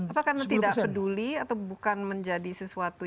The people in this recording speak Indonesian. apa karena tidak peduli atau bukan menjadi sesuatu